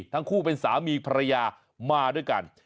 ทั้งคู่เป็นสามีภรรยามาด้วยกัน